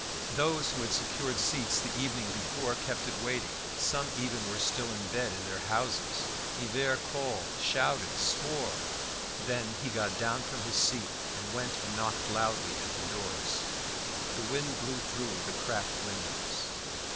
Those who had secured seats the evening before kept it waiting; some even were still in bed in their houses. Hivert called, shouted, swore; then he got down from his seat and went and knocked loudly at the doors. The wind blew through the cracked windows.